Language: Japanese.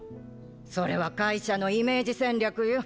それは会社のイメージ戦略よ。